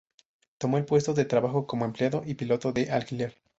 Tomó el puesto de trabajo como empleado y piloto de alquiler.